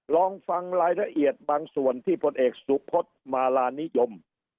ลองฟังรายละเอียดบางส่วนที่พลเอกสุพศมาลานิยม